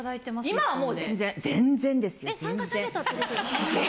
今はもう全然全然ですよ全然。